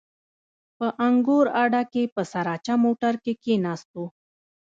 په انګور اډه کښې په سراچه موټر کښې کښېناستو.